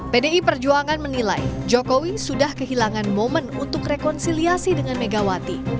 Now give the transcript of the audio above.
pdi perjuangan menilai jokowi sudah kehilangan momen untuk rekonsiliasi dengan megawati